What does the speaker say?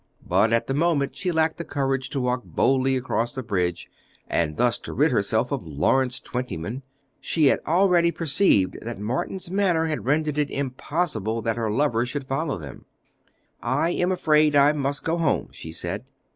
But at the moment she lacked the courage to walk boldly across the bridge, and thus to rid herself of Lawrence Twentyman. She had already perceived that Morton's manner had rendered it impossible that her lover should follow them. "I am afraid I must go home," she said.